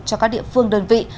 cho các địa phương đơn vị